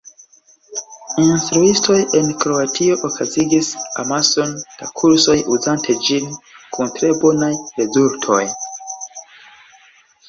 Instruistoj en Kroatio okazigis amason da kursoj uzante ĝin kun tre bonaj rezultoj.